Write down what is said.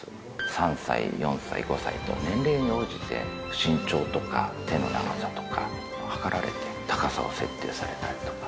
３歳、４歳、５歳と年齢に応じて、身長とか手の長さとかを測られて、高さを設定されたりとか。